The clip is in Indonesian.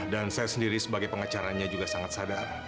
dan saya sendiri sebagai pengecarannya juga sangat sadar